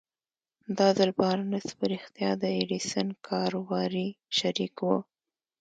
دا ځل بارنس په رښتيا د ايډېسن کاروباري شريک و.